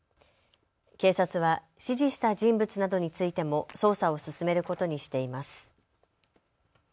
警察は指示した人物などについても捜査を進めることにしています。